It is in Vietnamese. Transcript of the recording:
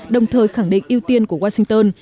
đồng thời khẳng định ưu tiên của washington